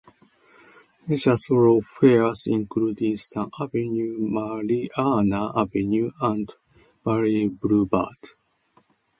Major thoroughfares include Eastern Avenue, Marianna Avenue, and Valley Boulevard.